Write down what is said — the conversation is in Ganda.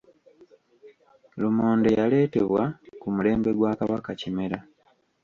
Lumonde yaleetebwa ku mulembe gwa Kabaka Kimera.